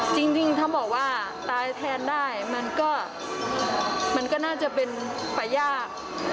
จริงถ้าบอกว่าตายแทนได้มันก็น่าจะเป็นไปยาก